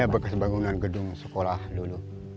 bekas bangunan gedung sekolah dulu